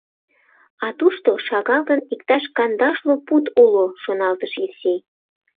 «А тушто, шагал гын, иктаж кандашлу пуд уло, — шоналтыш Евсей.